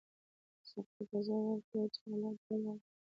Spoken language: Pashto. ساقي په ځواب کې وویل چې حالات ډېر وران دي.